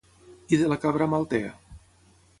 I de la cabra Amaltea?